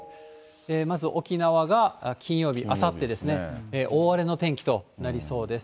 まず沖縄が金曜日、あさってですね、大荒れの天気となりそうです。